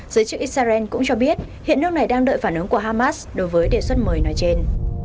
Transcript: giới chức israel cũng cho biết hiện nước này đang đợi phản ứng của hamas đối với đề xuất mới nói trên